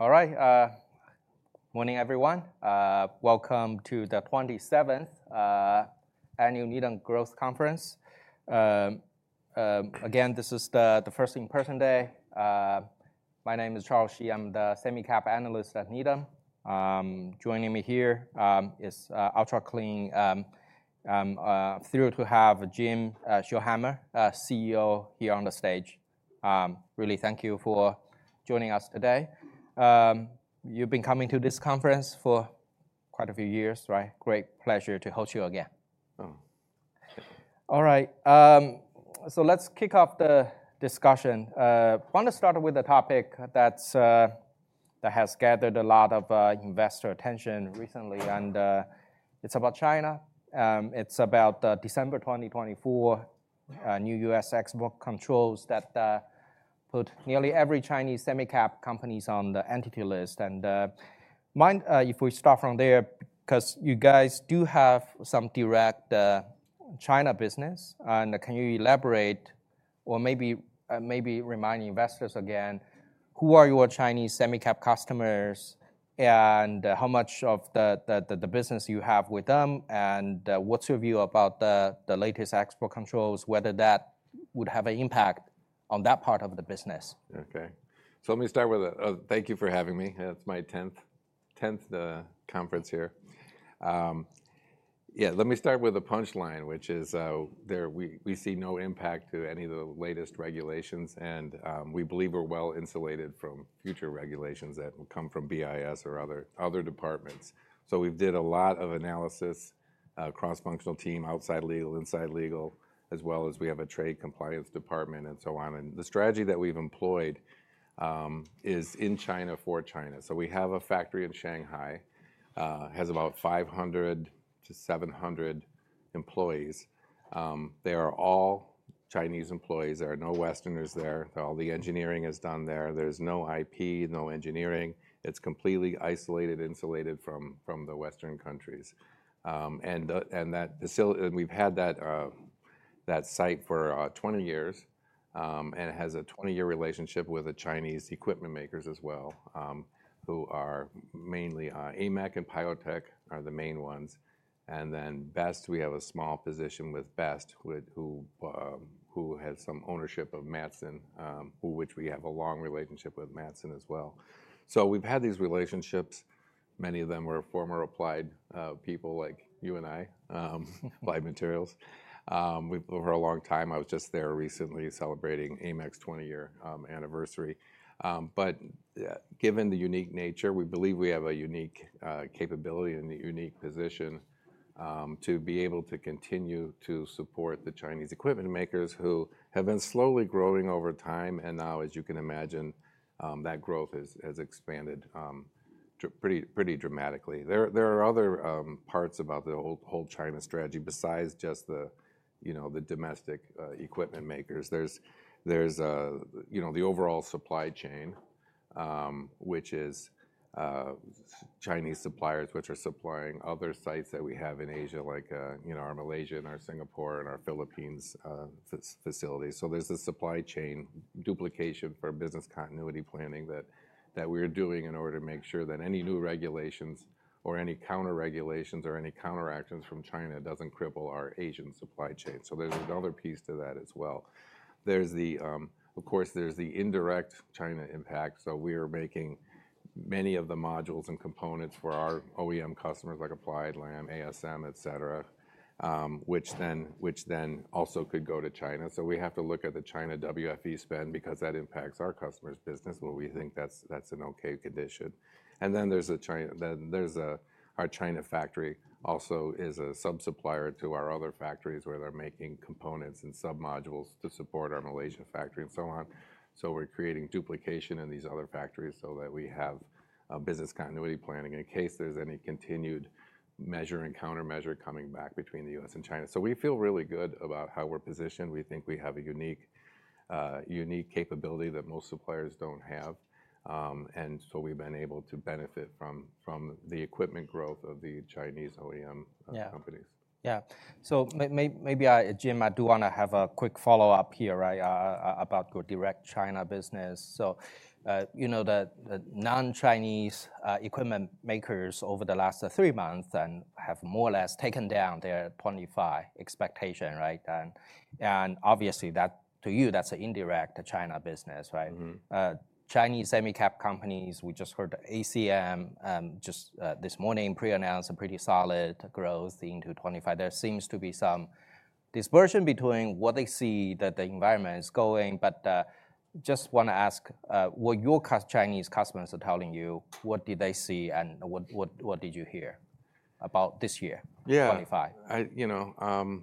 All right. Morning, everyone. Welcome to the 27th annual Needham Growth Conference. Again, this is the first in-person day. My name is Charles Shi. I'm the semi-cap analyst at Needham. Joining me here is Ultra Clean. Thrilled to have Jim Scholhamer, CEO, here on the stage. Really, thank you for joining us today. You've been coming to this conference for quite a few years, right? Great pleasure to host you again. Oh. All right. So let's kick off the discussion. I want to start with a topic that's gathered a lot of investor attention recently, and it's about China. It's about December 2024 new U.S. export controls that put nearly every Chinese semi-cap company on the Entity List. And mind if we start from there, because you guys do have some direct China business. And can you elaborate, or maybe remind investors again, who are your Chinese semi-cap customers, and how much of the business you have with them, and what's your view about the latest export controls, whether that would have an impact on that part of the business? Okay. So let me start with a thank you for having me. It's my 10th conference here. Yeah, let me start with a punchline, which is, we see no impact to any of the latest regulations, and we believe we're well insulated from future regulations that will come from BIS or other departments. So we've did a lot of analysis, cross-functional team, outside legal, inside legal, as well as we have a trade compliance department, and so on. And the strategy that we've employed is in China, for China. So we have a factory in Shanghai has about 500-700 employees. They are all Chinese employees. There are no Westerners there. All the engineering is done there. There's no IP, no engineering. It's completely isolated, insulated from the Western countries. And that facility we've had that site for 20 years, and it has a 20-year relationship with the Chinese equipment makers as well, who are mainly AMEC and Piotech are the main ones. And then BEST, we have a small position with BEST who has some ownership of Mattson, which we have a long relationship with Mattson as well. So we've had these relationships. Many of them were former Applied people like you and I, Applied Materials. We for a long time, I was just there recently celebrating AMEC's 20-year anniversary. But given the unique nature, we believe we have a unique capability and a unique position to be able to continue to support the Chinese equipment makers who have been slowly growing over time. And now, as you can imagine, that growth has expanded pretty dramatically. There are other parts about the whole China strategy besides just the you know the domestic equipment makers. There's you know the overall supply chain, which is Chinese suppliers which are supplying other sites that we have in Asia, like you know our Malaysian, our Singapore, and our Philippines facilities. So there's a supply chain duplication for business continuity planning that we're doing in order to make sure that any new regulations or any counter-regulations or any counteractions from China doesn't cripple our Asian supply chain. So there's another piece to that as well. There's of course the indirect China impact. So we are making many of the modules and components for our OEM customers, like Applied, Lam, ASM, etc., which then also could go to China. So we have to look at the China WFE spend because that impacts our customers' business, where we think that's, that's an okay condition. And then there's a China, then there's a, our China factory also is a sub-supplier to our other factories where they're making components and sub-modules to support our Malaysia factory and so on. So we're creating duplication in these other factories so that we have a business continuity planning in case there's any continued measure and countermeasure coming back between the U.S. and China. So we feel really good about how we're positioned. We think we have a unique, unique capability that most suppliers don't have, and so we've been able to benefit from, from the equipment growth of the Chinese OEM companies. Yeah. So maybe I, Jim, I do wanna have a quick follow-up here, right, about your direct China business. So, you know, the non-Chinese equipment makers over the last three months then have more or less taken down their 2025 expectation, right? And obviously that to you, that's an indirect China business, right? Mm-hmm. Chinese semi-cap companies, we just heard ACM this morning pre-announced a pretty solid growth into 2025. There seems to be some dispersion between what they see that the environment is going. But just wanna ask, what your Chinese customers are telling you, what did they see and what did you hear about this year? Yeah. 2025. You know,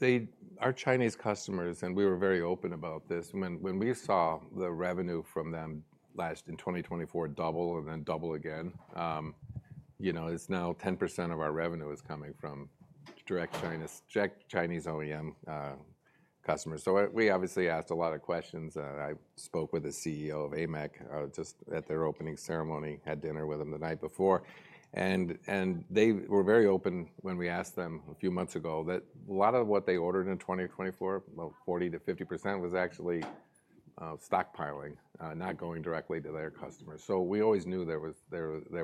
they, our Chinese customers, and we were very open about this. When we saw the revenue from them last in 2024 double and then double again, you know, it's now 10% of our revenue is coming from direct Chinese OEM customers. So we obviously asked a lot of questions. I spoke with the CEO of AMEC just at their opening ceremony, had dinner with them the night before. They were very open when we asked them a few months ago that a lot of what they ordered in 2024, well, 40%-50% was actually stockpiling, not going directly to their customers. So we always knew there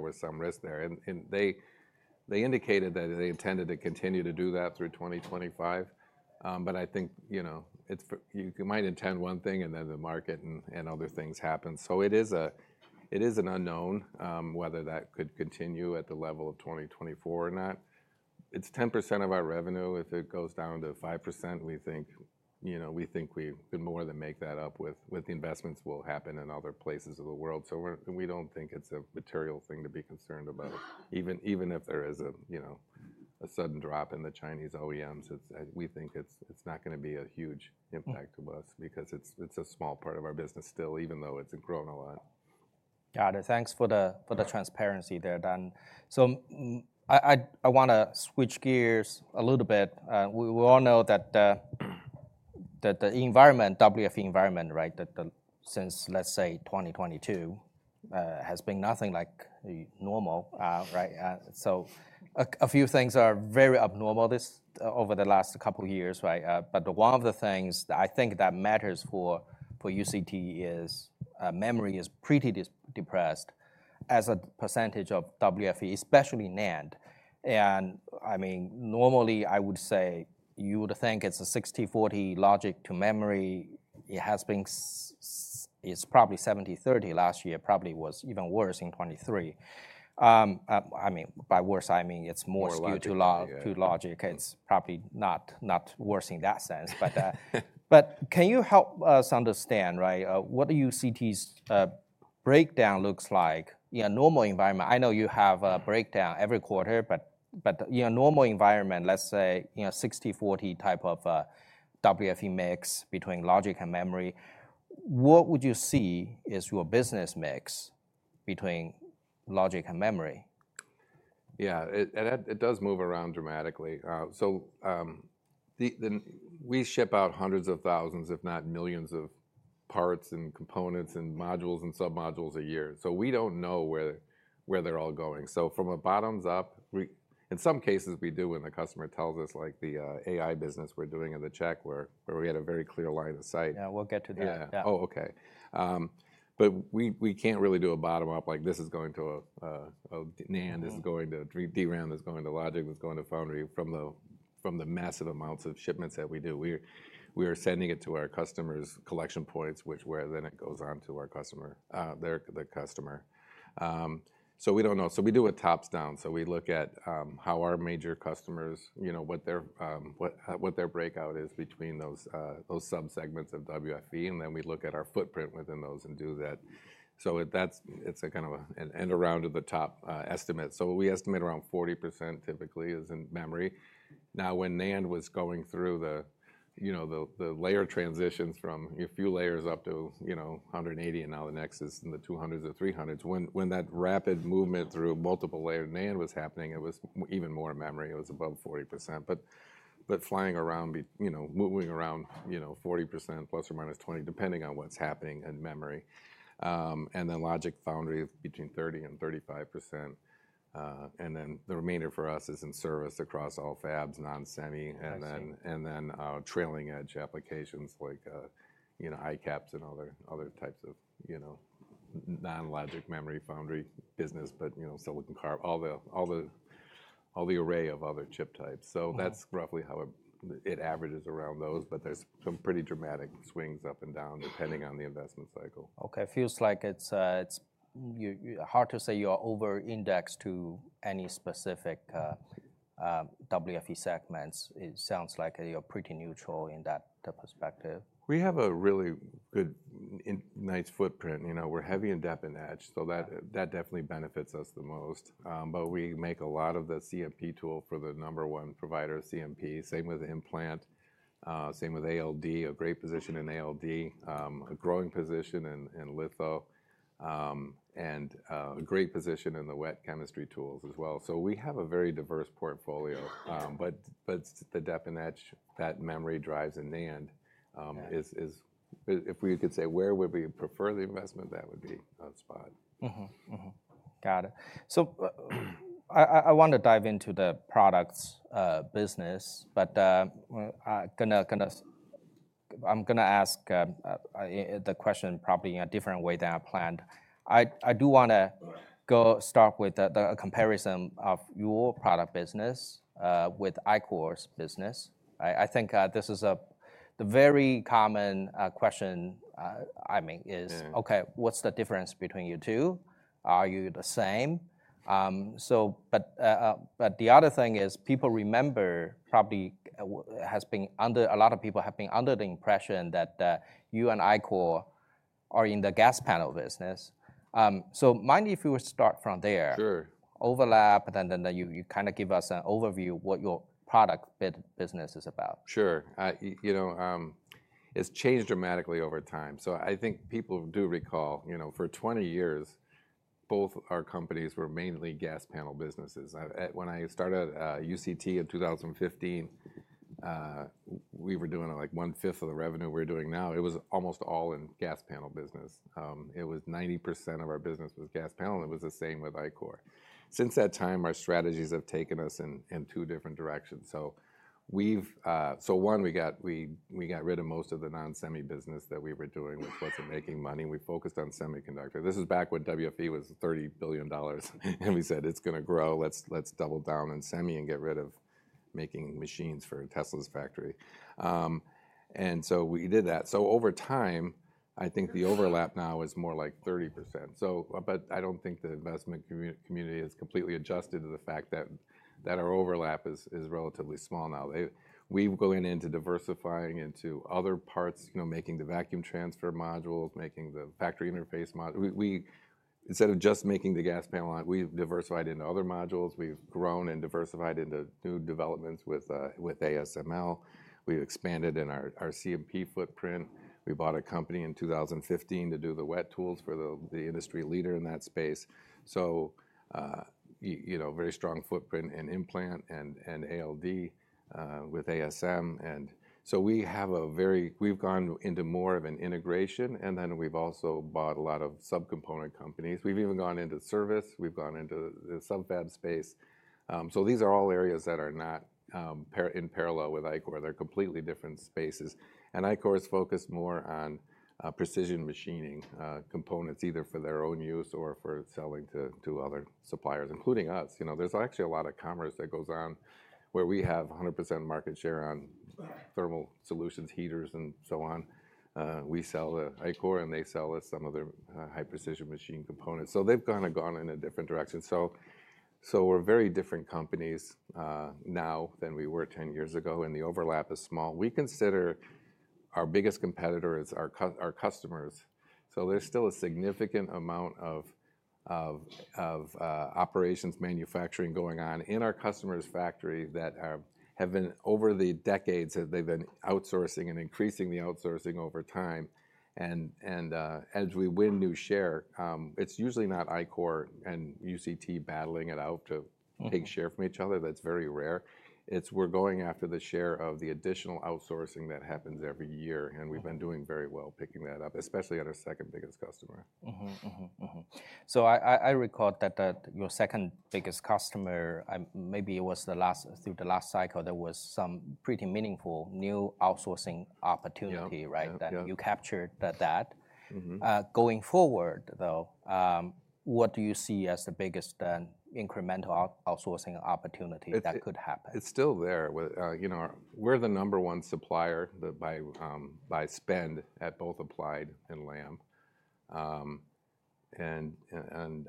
was some risk there. They indicated that they intended to continue to do that through 2025. But I think, you know, it's, you might intend one thing and then the market and, and other things happen. So it is a, it is an unknown, whether that could continue at the level of 2024 or not. It's 10% of our revenue. If it goes down to 5%, we think, you know, we think we can more than make that up with, with the investments will happen in other places of the world. So we're, we don't think it's a material thing to be concerned about. Even, even if there is a, you know, a sudden drop in the Chinese OEMs, it's, we think it's, it's not gonna be a huge impact to us because it's, it's a small part of our business still, even though it's grown a lot. Got it. Thanks for the transparency there then. So I wanna switch gears a little bit. We all know that the environment, WFE environment, right, that since, let's say, 2022, has been nothing like normal, right? So a few things are very abnormal over the last couple of years, right? But one of the things that I think that matters for UCT is memory is pretty depressed as a percentage of WFE, especially NAND. And I mean, normally I would say you would think it's a 60/40 logic to memory. It has been, it's probably 70/30 last year, probably was even worse in 2023. I mean, by worse, I mean it's more due to logic. It's probably not worse in that sense. Can you help us understand, right, what UCT's breakdown looks like in a normal environment? I know you have a breakdown every quarter, but in a normal environment, let's say, you know, 60/40 type of WFE mix between logic and memory, what would you see is your business mix between logic and memory? Yeah. It does move around dramatically. We ship out hundreds of thousands, if not millions, of parts and components and modules and sub-modules a year. So we don't know where they're all going. So from a bottoms up, in some cases we do when the customer tells us, like the AI business we're doing in the Czech where we had a very clear line of sight. Yeah. We'll get to that. Yeah. Oh, okay. But we can't really do a bottom-up like this is going to a NAND is going to DRAM, is going to logic, is going to foundry from the massive amounts of shipments that we do. We are sending it to our customers' collection points, which where then it goes on to our customer, the customer. So we don't know. So we do a top-down. So we look at how our major customers, you know, what their breakout is between those sub-segments of WFE, and then we look at our footprint within those and do that. So that's a kind of an end around of the top-down estimate. So we estimate around 40% typically is in memory. Now, when NAND was going through, you know, the layer transitions from a few layers up to, you know, 180, and now the next is in the 200s or 300s, when that rapid movement through multiple layer NAND was happening, it was even more memory. It was above 40%, but flying around, you know, moving around, you know, 40%+ or -20%, depending on what's happening in memory, and then logic foundry between 30% and 35%, and then the remainder for us is in service across all fabs, non-semi, and trailing edge applications like, you know, ICAPS and other types of, you know, non-logic memory foundry business, but, you know, silicon carbide, all the array of other chip types. So that's roughly how it averages around those, but there's some pretty dramatic swings up and down depending on the investment cycle. Okay. Feels like it's hard to say you are over-indexed to any specific WFE segments. It sounds like you're pretty neutral in that perspective. We have a really good, nice footprint. You know, we're heavy in Dep and Etch, so that definitely benefits us the most, but we make a lot of the CMP tool for the number one provider, CMP, same with implant, same with ALD, a great position ALD, a growing position in litho, and a great position in the wet chemistry tools as well, so we have a very diverse portfolio, but the Dep and Etch that memory drives in NAND is if we could say where we would prefer the investment, that would be a spot. Mm-hmm. Mm-hmm. Got it. So, I wanna dive into the products business, but gonna, I'm gonna ask the question probably in a different way than I planned. I do wanna start with the comparison of your product business with Ichor's business. I think this is a very common question, I mean, okay, what's the difference between you two? Are you the same? So, but the other thing is, probably a lot of people have been under the impression that you and Ichor are in the gas panel business. So, mind if you would start from there. Sure. But then you kind of give us an overview of what your product business is about. Sure. I, you know, it's changed dramatically over time. So I think people do recall, you know, for 20 years, both our companies were mainly gas panel businesses. When I started, UCT in 2015, we were doing like one fifth of the revenue we're doing now. It was almost all in gas panel business. It was 90% of our business was gas panel, and it was the same with Ichor. Since that time, our strategies have taken us in two different directions. So one, we got rid of most of the non-semi business that we were doing, which wasn't making money. We focused on semiconductor. This is back when WFE was $30 billion, and we said, it's gonna grow, let's double down on semi and get rid of making machines for Tesla's factory, and so we did that. Over time, I think the overlap now is more like 30%. But I don't think the investment community has completely adjusted to the fact that our overlap is relatively small now. We've gone into diversifying into other parts, you know, making the vacuum transfer modules, making the factory interface module. We, instead of just making the gas panel only, we've diversified into other modules. We've grown and diversified into new developments with ASML. We've expanded in our CMP footprint. We bought a company in 2015 to do the wet tools for the industry leader in that space. So you know, very strong footprint in implant and ALD with ASM. And so we've gone into more of an integration, and then we've also bought a lot of sub-component companies. We've even gone into service. We've gone into the sub-fab space. So these are all areas that are not in parallel with Ichor. They're completely different spaces, and Ichor is focused more on precision machining, components either for their own use or for selling to other suppliers, including us. You know, there's actually a lot of commerce that goes on where we have 100% market share on thermal solutions, heaters, and so on. We sell to Ichor and they sell us some of their high precision machine components. So they've kind of gone in a different direction. So we're very different companies now than we were 10 years ago, and the overlap is small. We consider our biggest competitor is our customers. There's still a significant amount of operations manufacturing going on in our customer's factory that have been over the decades that they've been outsourcing and increasing the outsourcing over time. As we win new share, it's usually not Ichor and UCT battling it out to take share from each other. That's very rare. We're going after the share of the additional outsourcing that happens every year, and we've been doing very well picking that up, especially at our second biggest customer. Mm-hmm. Mm-hmm. Mm-hmm. So I recall that your second biggest customer, maybe it was the last, through the last cycle, there was some pretty meaningful new outsourcing opportunity, right? Yeah. That you captured that. Going forward though, what do you see as the biggest incremental outsourcing opportunity that could happen? It's still there with, you know, we're the number one supplier by spend at both Applied and Lam. And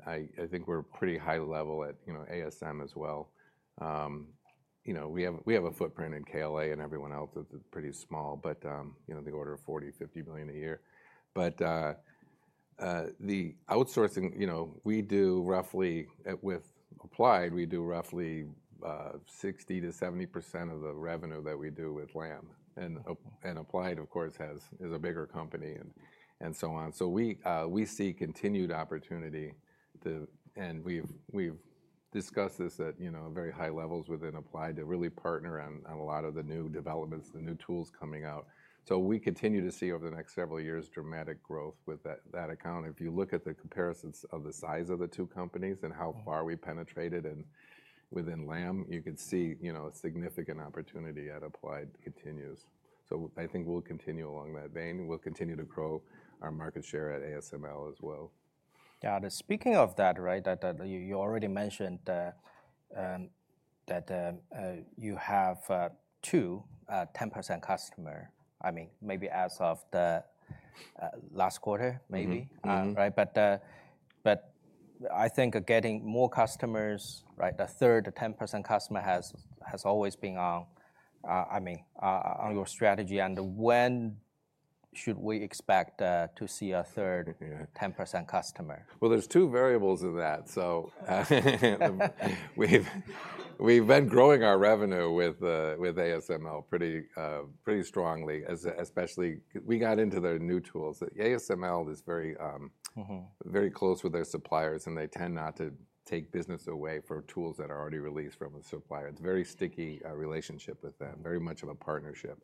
I think we're pretty high level at, you know, ASM as well. You know, we have a footprint in KLA and everyone else that's pretty small, but, you know, the order of $40 million-$50 million a year. But the outsourcing, you know, we do roughly with Applied roughly 60%-70% of the revenue that we do with Lam. And Applied, of course, is a bigger company and so on. So we see continued opportunity to, and we've discussed this at, you know, very high levels within Applied to really partner on a lot of the new developments, the new tools coming out. So we continue to see over the next several years dramatic growth with that account. If you look at the comparisons of the size of the two companies and how far we penetrated within Lam, you could see, you know, a significant opportunity at Applied continues. So I think we'll continue along that vein. We'll continue to grow our market share at ASML as well. Got it. Speaking of that, right, you already mentioned that you have two 10% customers. I mean, maybe as of the last quarter, maybe, right. But I think getting more customers, right, a third 10% customer has always been on, I mean, on your strategy. And when should we expect to see a third 10% customer? There's two variables in that. We've been growing our revenue with ASML pretty strongly, especially we got into their new tools. ASML is very close with their suppliers, and they tend not to take business away from tools that are already released from a supplier. It's a very sticky relationship with them, very much of a partnership.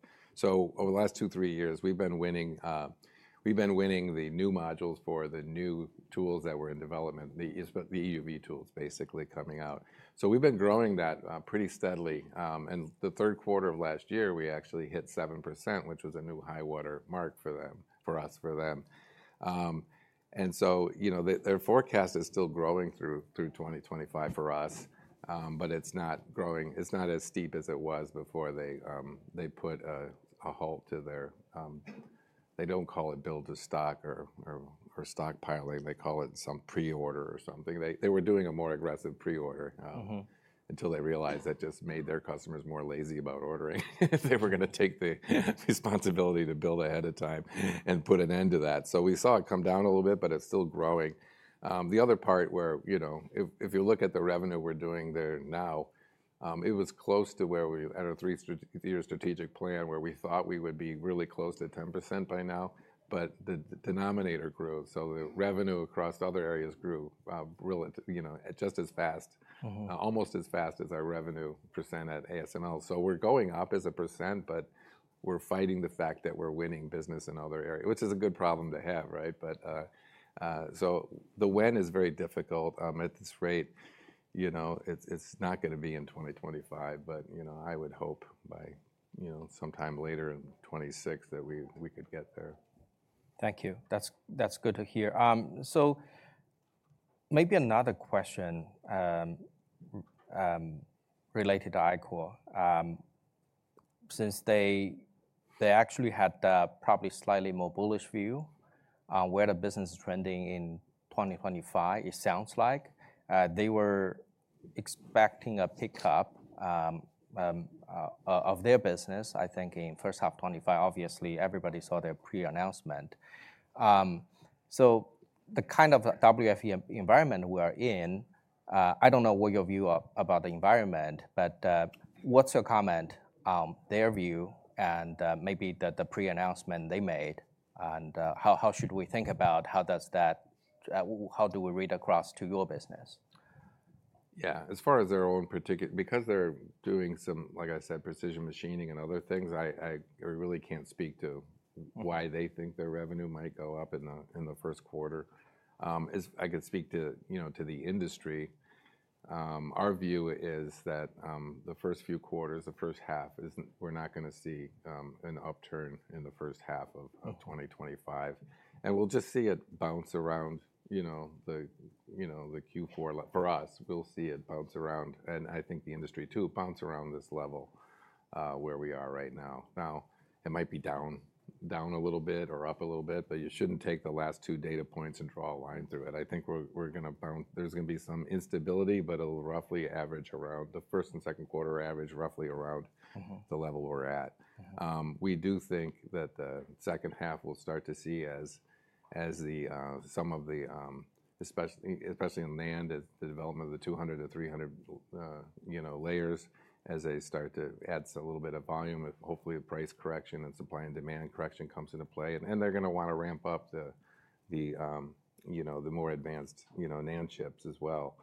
Over the last two, three years, we've been winning the new modules for the new tools that were in development, the EUV tools basically coming out. We've been growing that pretty steadily, and the third quarter of last year, we actually hit 7%, which was a new high water mark for them, for us, for them. And so, you know, their forecast is still growing through 2025 for us, but it's not as steep as it was before they put a halt to their. They don't call it build to stock or stockpiling. They call it some pre-order or something. They were doing a more aggressive pre-order, until they realized that just made their customers more lazy about ordering if they were gonna take the responsibility to build ahead of time and put an end to that. So we saw it come down a little bit, but it's still growing. The other part where, you know, if you look at the revenue we're doing there now, it was close to where we at our three-year strategic plan where we thought we would be really close to 10% by now, but the denominator grew. So the revenue across other areas grew, really, you know, just as fast, almost as fast as our revenue percent at ASML. So we're going up as a percent, but we're fighting the fact that we're winning business in other areas, which is a good problem to have, right? But, so the win is very difficult, at this rate, you know, it's not gonna be in 2025, but, you know, I would hope by, you know, sometime later in 2026 that we could get there. Thank you. That's good to hear. So maybe another question related to Ichor, since they actually had probably slightly more bullish view on where the business is trending in 2025. It sounds like they were expecting a pickup of their business, I think in first half 2025. Obviously, everybody saw their pre-announcement. So the kind of WFE environment we are in, I don't know what your view about the environment, but what's your comment on their view and maybe the pre-announcement they made and how should we think about how does that, how do we read across to your business? Yeah. As far as their own particular, because they're doing some, like I said, precision machining and other things, I really can't speak to why they think their revenue might go up in the first quarter. As I could speak to, you know, to the industry, our view is that the first few quarters, the first half is, we're not gonna see an upturn in the first half of 2025. And we'll just see it bounce around, you know, the Q4 for us, we'll see it bounce around. And I think the industry too bounce around this level, where we are right now. Now, it might be down a little bit or up a little bit, but you shouldn't take the last two data points and draw a line through it. I think we're gonna bounce. There's gonna be some instability, but it'll roughly average around the first and second quarter average, roughly around the level we're at. We do think that the second half we'll start to see as the some of the especially in NAND the development of the 200-300 you know layers as they start to add a little bit of volume with hopefully a price correction and supply and demand correction comes into play. And they're gonna wanna ramp up the you know the more advanced you know NAND chips as well.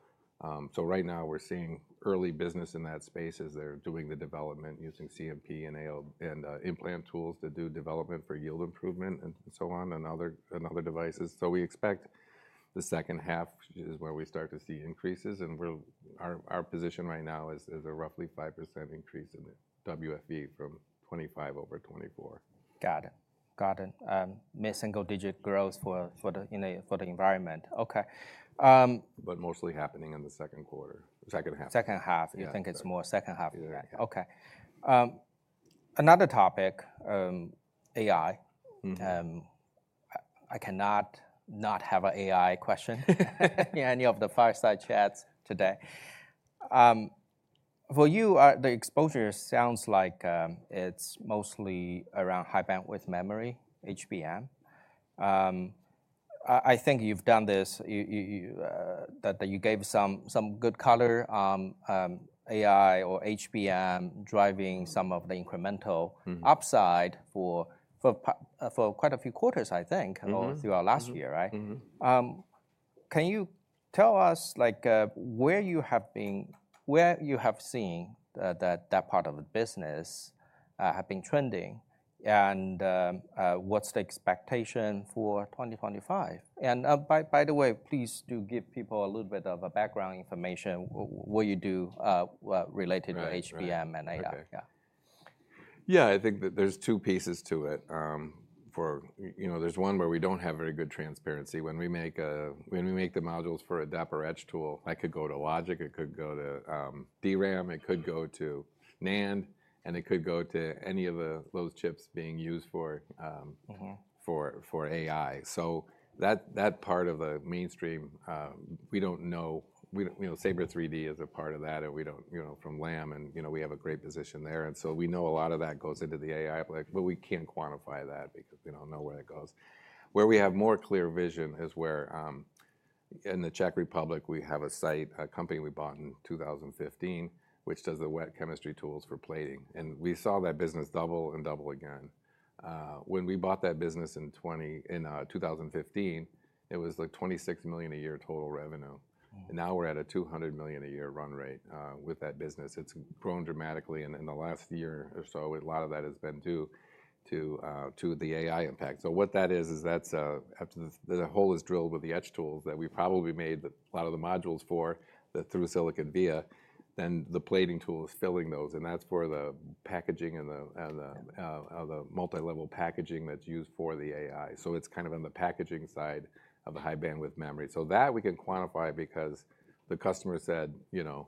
So right now we're seeing early business in that space as they're doing the development using CMP and ALD and implant tools to do development for yield improvement and so on and other devices. So we expect the second half is where we start to see increases. Our position right now is a roughly 5% increase in WFE from 2025 over 2024. Got it. Mid-single digit growth for the environment. Okay. But mostly happening in the second quarter, second half. Second half. You think it's more second half? Yeah. Okay. Another topic, AI. I cannot not have an AI question in any of the fireside chats today. For you, the exposure sounds like it's mostly around high bandwidth memory, HBM. I think you've done this, you that you gave some good color, AI or HBM driving some of the incremental upside for quite a few quarters, I think, or throughout last year, right? Mm-hmm. Can you tell us like, where you have been, where you have seen that part of the business have been trending and, what's the expectation for 2025? By the way, please do give people a little bit of a background information what you do, related to HBM and AI. Okay. Yeah. I think that there's two pieces to it. You know, there's one where we don't have very good transparency when we make the modules for a Dep or Etch tool, that could go to logic, it could go to DRAM, it could go to NAND, and it could go to any of those chips being used for AI. So that part of the mainstream, we don't know, you know, SABRE 3D is a part of that and we don't, you know, from Lam and we have a great position there. And so we know a lot of that goes into the AI, but we can't quantify that because we don't know where it goes. Where we have more clear vision is where, in the Czech Republic, we have a site, a company we bought in 2015, which does the wet chemistry tools for plating. And we saw that business double and double again. When we bought that business in 2015, it was like $26 million a year total revenue. And now we're at a $200 million a year run rate, with that business. It's grown dramatically. And in the last year or so, a lot of that has been to the AI impact. So what that is, that's after the hole is drilled with the Edge tools that we probably made a lot of the modules for the through silicon via, then the plating tool is filling those. And that's for the packaging and the multilevel packaging that's used for the AI. So it's kind of on the packaging side of the high bandwidth memory. So that we can quantify because the customer said, you know,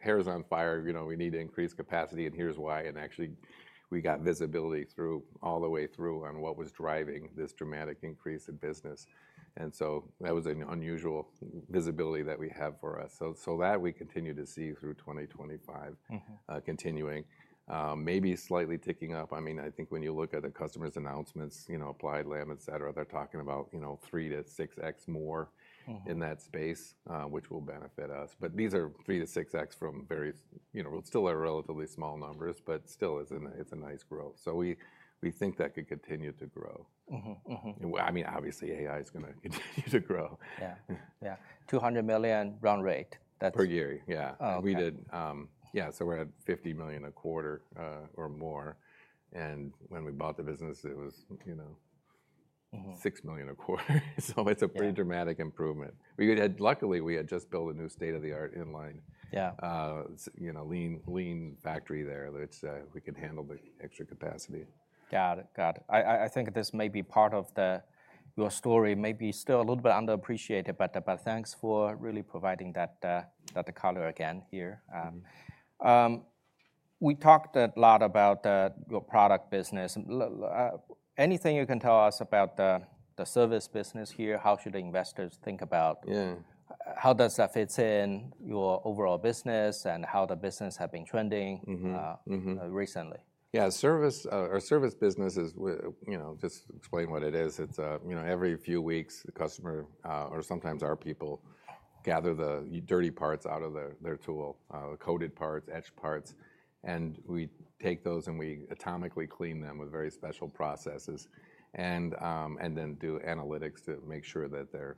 hair's on fire, you know, we need to increase capacity and here's why. And actually we got visibility all the way through on what was driving this dramatic increase in business. And so that was an unusual visibility that we have for us. So that we continue to see through 2025, continuing, maybe slightly ticking up. I mean, I think when you look at the customer's announcements, you know, Applied, Lam, et cetera, they're talking about, you know, 3x-6x more in that space, which will benefit us. But these are 3x-6x from various, you know, we'll still have relatively small numbers, but still it's a nice growth. So we think that could continue to grow. I mean, obviously AI is gonna continue to grow. Yeah. Yeah. $200 million run rate. Per year. Yeah. We did, yeah. So we're at $50 million a quarter, or more. And when we bought the business, it was, you know, $6 million a quarter. So it's a pretty dramatic improvement. We had, luckily we had just built a new state-of-the-art inline, you know, lean factory there that we could handle the extra capacity. Got it. I think this may be part of the, your story may be still a little bit underappreciated, but thanks for really providing that color again here. We talked a lot about your product business. Anything you can tell us about the service business here? How should investors think about how does that fit in your overall business and how the business have been trending recently? Yeah. Service, our service business is, you know, just explain what it is. It's, you know, every few weeks the customer, or sometimes our people gather the dirty parts out of their tool, the coated parts, etched parts. And we take those and we atomically clean them with very special processes and then do analytics to make sure that they're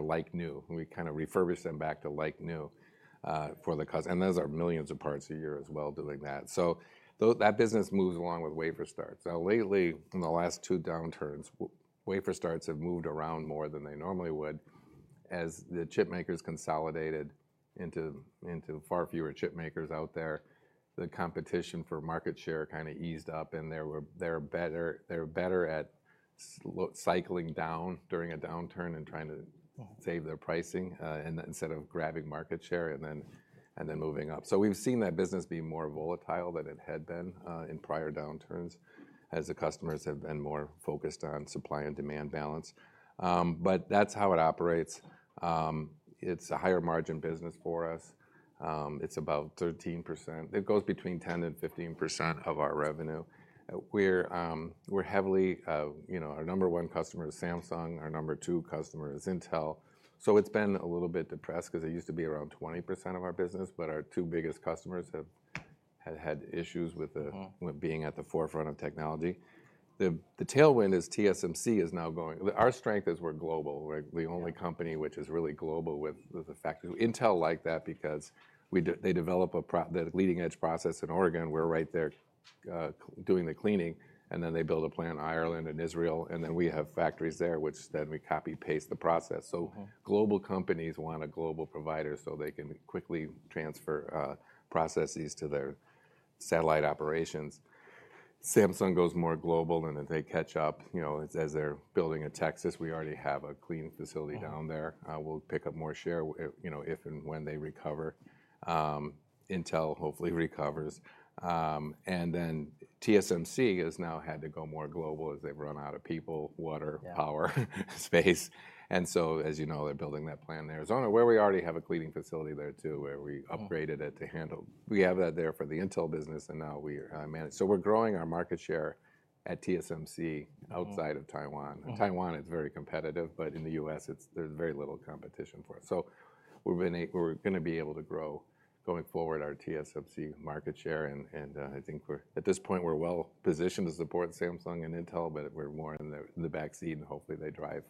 like new. We kind of refurbish them back to like new, for the customer. And those are millions of parts a year as well doing that. So though that business moves along with wafer starts. Now lately in the last two downturns, wafer starts have moved around more than they normally would as the chip makers consolidated into far fewer chip makers out there. The competition for market share kind of eased up and there were. They're better, they're better at cycling down during a downturn and trying to save their pricing, and instead of grabbing market share and then, and then moving up. So we've seen that business be more volatile than it had been in prior downturns as the customers have been more focused on supply and demand balance. But that's how it operates. It's a higher margin business for us. It's about 13%. It goes between 10%-15% of our revenue. We're heavily, you know, our number one customer is Samsung. Our number two customer is Intel. So it's been a little bit depressed 'cause it used to be around 20% of our business, but our two biggest customers have had issues with being at the forefront of technology. The tailwind is TSMC is now going. Our strength is we're global. We're the only company which is really global with the factory. Intel liked that because they develop a process, the leading edge process in Oregon. We're right there, doing the cleaning and then they build a plant in Ireland and Israel. We have factories there, which then we copy paste the process. Global companies want a global provider so they can quickly transfer processes to their satellite operations. Samsung goes more global and then they catch up, you know, as they're building in Texas. We already have a clean facility down there. We'll pick up more share, you know, if and when they recover. Intel hopefully recovers, and then TSMC has now had to go more global as they've run out of people, water, power space. And so, as you know, they're building that plant in Arizona where we already have a cleaning facility there too, where we upgraded it to handle. We have that there for the Intel business and now we manage. So we're growing our market share at TSMC outside of Taiwan. Taiwan is very competitive, but in the US it's. There's very little competition for us. So we're gonna be able to grow going forward our TSMC market share. And I think at this point we're well positioned to support Samsung and Intel, but we're more in the back seat and hopefully they drive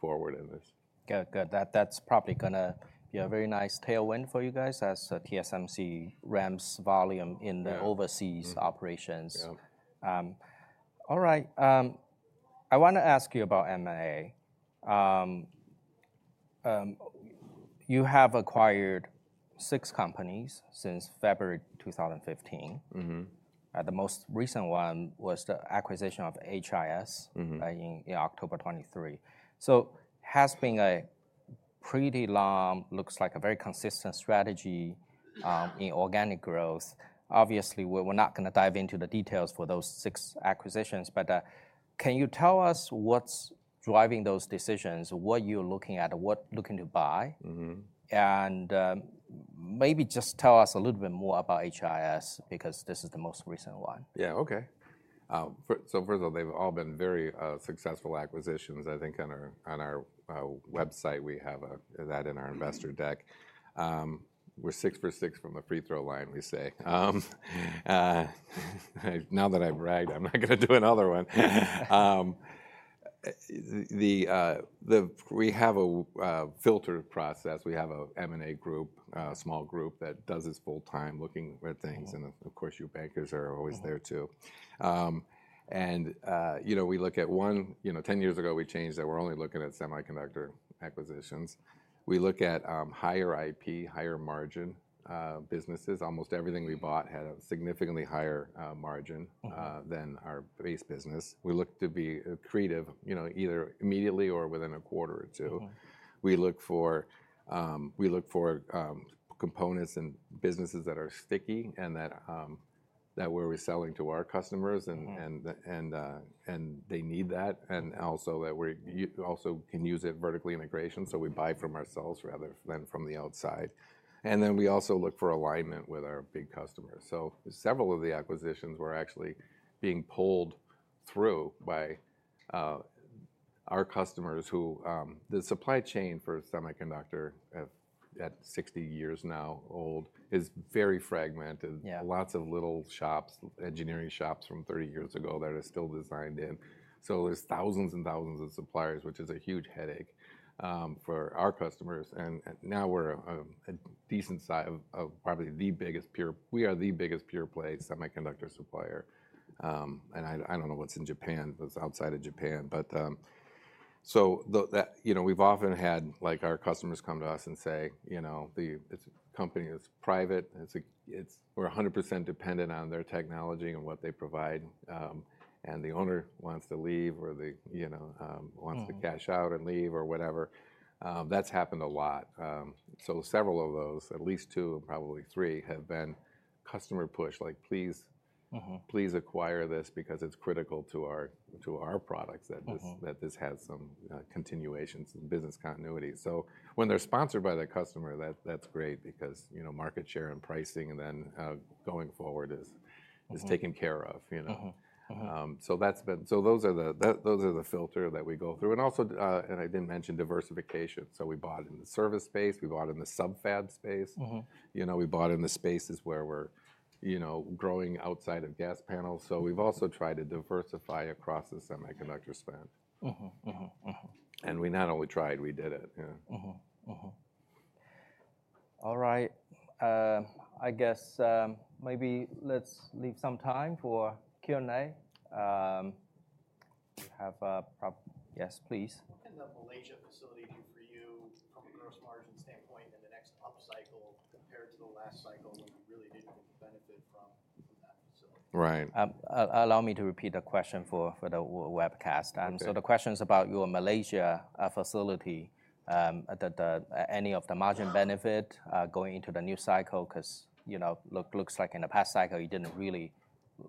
forward in this. Good. Good. That, that's probably gonna be a very nice tailwind for you guys as TSMC ramps volume in the overseas operations. All right. I wanna ask you about M&A. You have acquired six companies since February 2015. The most recent one was the acquisition of HIS in October 2023. So has been a pretty long, looks like a very consistent strategy in inorganic growth. Obviously we're not gonna dive into the details for those six acquisitions, but can you tell us what's driving those decisions, what you are looking at, what looking to buy? And maybe just tell us a little bit more about HIS because this is the most recent one. Yeah. Okay. So first of all, they've all been very successful acquisitions. I think on our website we have that in our investor deck. We're six for six from the free throw line, we say. Now that I've bragged, I'm not gonna do another one. We have a filter process. We have a M&A group, small group that does this full time looking at things. And of course your bankers are always there too. And, you know, 10 years ago we changed that we're only looking at semiconductor acquisitions. We look at higher IP, higher margin businesses. Almost everything we bought had a significantly higher margin than our base business. We look to be creative, you know, either immediately or within a quarter or two. We look for components and businesses that are sticky and that we're reselling to our customers and they need that. And also that we also can use it vertical integration. So we buy from ourselves rather than from the outside. And then we also look for alignment with our big customers. So several of the acquisitions were actually being pulled through by our customers. The supply chain for semiconductor at 60 years old now is very fragmented. Lots of little shops, engineering shops from 30 years ago that are still designed in. So there's thousands and thousands of suppliers, which is a huge headache for our customers. And now we're a decent size of probably the biggest pure, we are the biggest pure play semiconductor supplier. And I don't know what's in Japan, what's outside of Japan, but so that, you know, we've often had like our customers come to us and say, you know, they, it's a company that's private. It's a, we're 100% dependent on their technology and what they provide. And the owner wants to leave or, you know, wants to cash out and leave or whatever. That's happened a lot. So several of those, at least two and probably three have been customer push, like please acquire this because it's critical to our products that this has some continuations and business continuity. So when they're sponsored by the customer, that's great because, you know, market share and pricing and then going forward is taken care of, you know? So those are the filters that we go through. Also, I didn't mention diversification. We bought in the service space, we bought in the sub-fab space. You know, we bought in the spaces where we're, you know, growing outside of gas panels. We've also tried to diversify across the semiconductor spend. We not only tried, we did it. All right. I guess, maybe let's leave some time for Q&A. We have a pro, yes, please. The Malaysia facility do for you from a gross margin standpoint in the next up cycle compared to the last cycle when you really didn't benefit from that facility? Right. Allow me to repeat the question for the webcast. So the question's about your Malaysia facility, any of the margin benefit going into the new cycle? 'Cause, you know, looks like in the past cycle you didn't really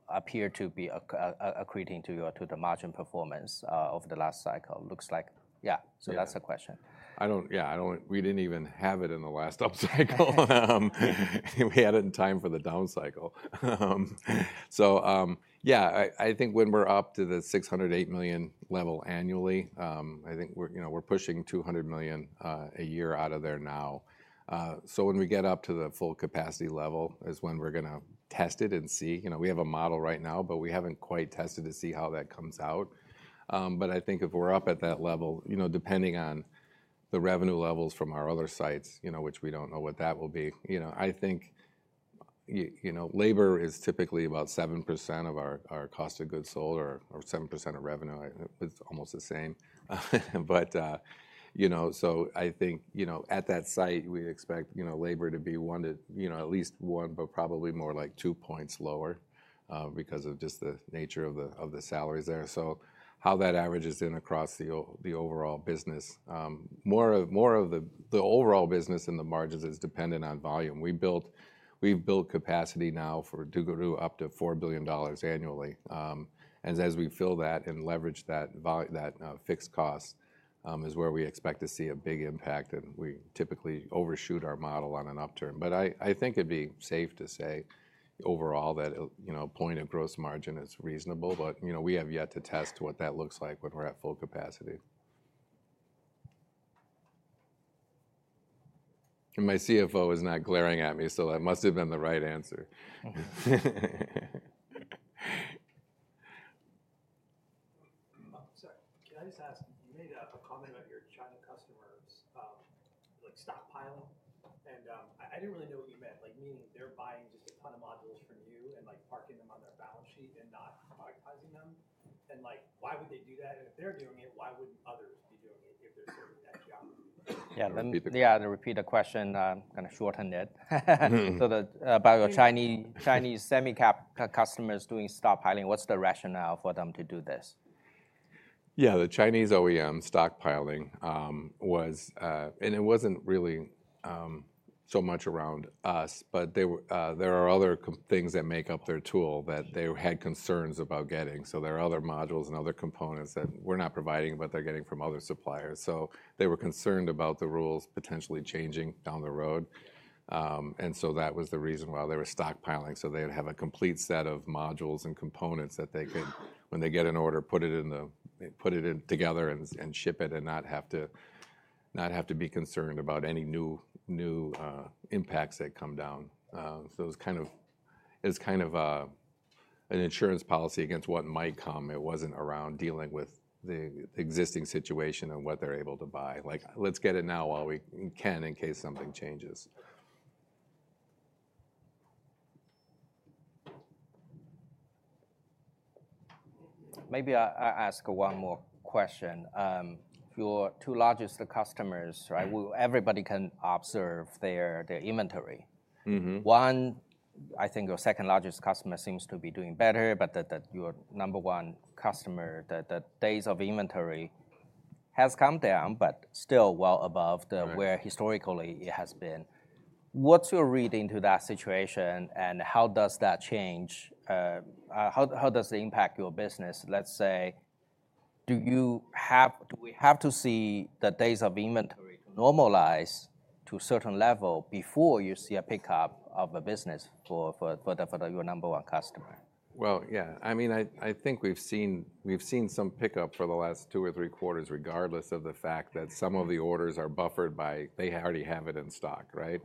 appear to be accreting to your to the margin performance over the last cycle. Looks like, yeah. So that's the question. I don't. Yeah, we didn't even have it in the last up cycle. We had it in time for the down cycle. Yeah, I think when we're up to the $608 million level annually, I think we're, you know, pushing $200 million a year out of there now. So when we get up to the full capacity level is when we're gonna test it and see, you know. We have a model right now, but we haven't quite tested to see how that comes out. But I think if we're up at that level, you know, depending on the revenue levels from our other sites, you know, which we don't know what that will be, you know, I think labor is typically about 7% of our cost of goods sold or 7% of revenue. It's almost the same. But, you know, so I think, you know, at that site, we expect, you know, labor to be one to at least one, but probably more like two points lower, because of just the nature of the salaries there, so how that averages in across the overall business and the margins is dependent on volume. We've built capacity now for Duguru up to $4 billion annually, and as we fill that and leverage that vol, that fixed cost, is where we expect to see a big impact, and we typically overshoot our model on an upturn, but I think it'd be safe to say overall that, you know, point of gross margin is reasonable, but, you know, we have yet to test what that looks like when we're at full capacity. My CFO is not glaring at me, so that must've been the right answer. Sorry, can I just ask? You made a comment about your China customers, like stockpiling. And I didn't really know what you meant, like meaning they're buying just a ton of modules from you and like parking them on their balance sheet and not productizing them. And like, why would they do that? And if they're doing it, why wouldn't others be doing it if they're serving that geography? Yeah. To repeat the question, gonna shorten it. So, about your Chinese semi-cap customers doing stockpiling, what's the rationale for them to do this? Yeah. The Chinese OEM stockpiling was, and it wasn't really so much around us, but there are other things that make up their tool that they had concerns about getting. So there are other modules and other components that we're not providing, but they're getting from other suppliers. So they were concerned about the rules potentially changing down the road, and so that was the reason why they were stockpiling. So they'd have a complete set of modules and components that they could, when they get an order, put it together and ship it and not have to be concerned about any new impacts that come down. So it was kind of an insurance policy against what might come. It wasn't around dealing with the existing situation and what they're able to buy. Like, let's get it now while we can in case something changes. Maybe I ask one more question. Your two largest customers, right? Everybody can observe their inventory. One, I think your second largest customer seems to be doing better, but that your number one customer, the days of inventory has come down, but still well above the where historically it has been. What's your read into that situation and how does that change, how does it impact your business? Let's say, do you have, do we have to see the days of inventory to normalize to a certain level before you see a pickup of a business for your number one customer? Yeah. I mean, I think we've seen some pickup for the last two or three quarters, regardless of the fact that some of the orders are buffered by the fact that they already have it in stock, right?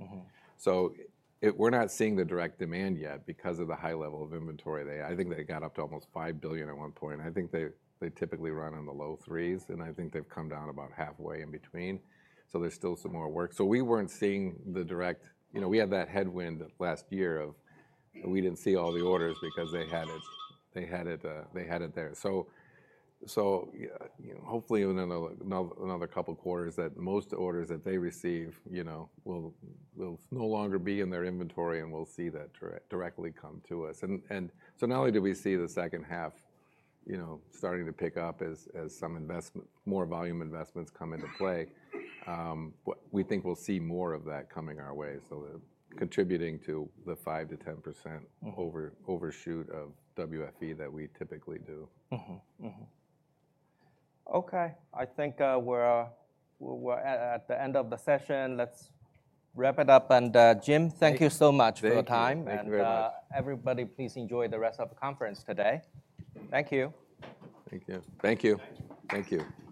So we're not seeing the direct demand yet because of the high level of inventory. I think they got up to almost $5 billion at one point. I think they typically run in the low $3 billion, and I think they've come down about halfway in between. So there's still some more work. We weren't seeing the direct demand, you know. We had that headwind last year because we didn't see all the orders because they had it there. So hopefully in another couple quarters that most orders that they receive, you know, will no longer be in their inventory and we'll see that directly come to us. And so not only do we see the second half, you know, starting to pick up as some more volume investments come into play, we think we'll see more of that coming our way. So that's contributing to the 5%-10% overshoot of WFE that we typically do. Okay. I think we're at the end of the session. Let's wrap it up. And, Jim, thank you so much for your time. And, everybody please enjoy the rest of the conference today. Thank you. Thank you. Thank you. Thank you.